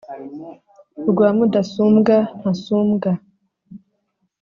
rwa mudasumbwa ntasumbwa